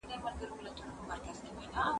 هغه څوک چي سیر کوي روغ وي.